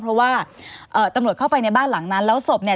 เพราะว่าเอ่อตำรวจเข้าไปในบ้านหลังนั้นแล้วศพเนี่ย